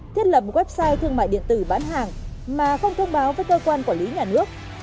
thiết lập website thương mại điện tử bán hàng mà không thông báo với cơ quan quản lý nhà nước